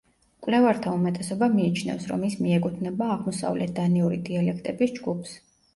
მკვლევართა უმეტესობა მიიჩნევს, რომ ის მიეკუთვნება აღმოსავლეთ დანიური დიალექტების ჯგუფს.